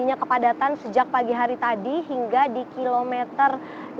terjadinya kepadatan sejak pagi hari tadi hingga di kilometer lima puluh